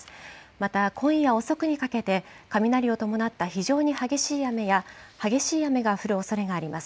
また、今夜遅くにかけて、雷を伴った非常に激しい雨や、激しい雨が降るおそれがあります。